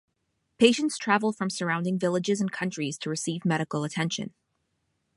Patients travel from surrounding villages and countries to receive medical attention.